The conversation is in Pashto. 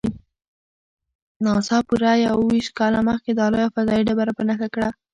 ناسا پوره یوویشت کاله مخکې دا لویه فضايي ډبره په نښه کړه.